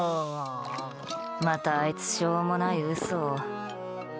またあいつ、しょうもない嘘を。